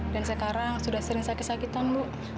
dan sekarang sudah sering sakit sakitan bu